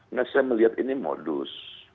nah saya melihat ini modus